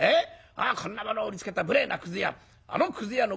こんなものを売りつけた無礼なくず屋あのくず屋の